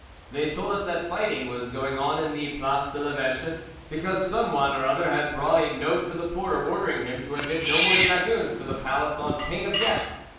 They told us that fighting was going on in the place de l'Eveche, because some one or other had brought a note to the porter ordering him to admit no more dragoons to the palace on pain of death.